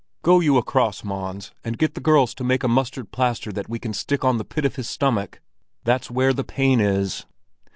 "Go you across, Mons, and get the girls to make a mustard plaster that we can stick on the pit of his stomach; that's where the pain is."